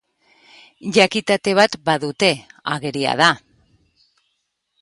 Jakitate bat badute, ageri da.